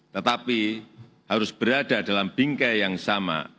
tetapi harus berada dalam bingkai yang sama